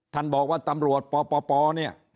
ท่านบอกว่าตำรวจปปเนี่ย